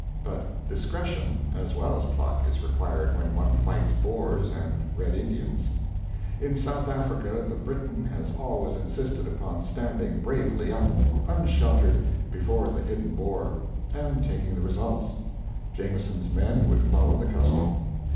But discretion, as well as pluck, is required when one fights Boers and Red Indians. In South Africa the Briton has always insisted upon standing bravely up, unsheltered, before the hidden Boer, and taking the results: Jameson's men would follow the custom.